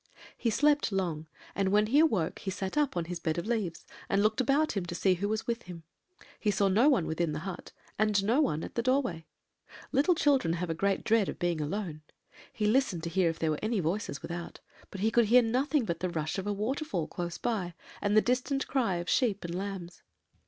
"He slept long, and when he awoke he sat up on his bed of leaves, and looked about him to see who was with him; he saw no one within the hut, and no one at the doorway. "Little children have great dread of being alone. He listened to hear if there were any voices without, but he could hear nothing but the rush of a waterfall close by, and the distant cry of sheep and lambs.